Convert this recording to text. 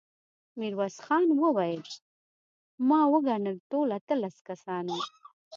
ميرويس خان وويل: ما وګڼل، ټول اتلس کسان وو.